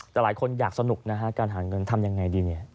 แต่หลายคนอยากสนุกนะฮะการหาเงินทำยังไงดีเนี่ย